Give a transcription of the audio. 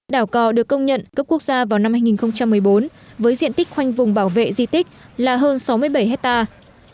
đảo cò được công nhận cấp quốc gia vào năm hai nghìn một mươi bốn với diện tích khoanh vùng bảo vệ di tích là hơn sáu mươi bảy hectare